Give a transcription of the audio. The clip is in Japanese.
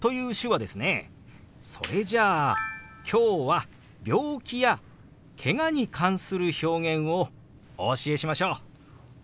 それじゃあ今日は病気やけがに関する表現をお教えしましょう！